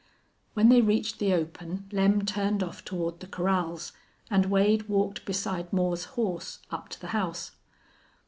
When they reached the open Lem turned off toward the corrals, and Wade walked beside Moore's horse up to the house.